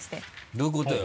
どういうことよ？